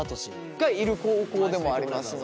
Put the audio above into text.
がいる高校でもありますので。